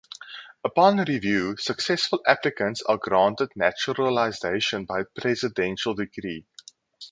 Upon review successful applicants are granted naturalization by presidential decree.